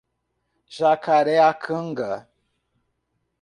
Jacareacanga